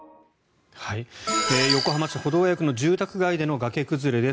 横浜市保土ケ谷区の住宅街での崖崩れです。